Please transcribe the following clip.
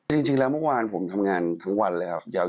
จริงแล้วเมื่อวานผมทำงานทั้งวันเลยครับ